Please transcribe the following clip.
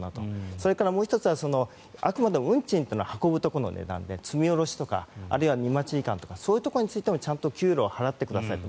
それから、もう１つはあくまでも運賃は運ぶところの値段で積み下ろしとかあるいは荷待ち時間とかそういうところにちゃんと給料を払ってくださいと。